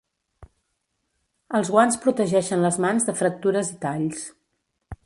Els guants protegeixen les mans de fractures i talls.